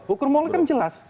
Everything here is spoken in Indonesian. ukur moral kan jelas